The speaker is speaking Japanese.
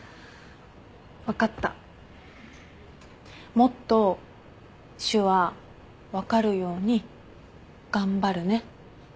もっと手話分かるように頑張るね。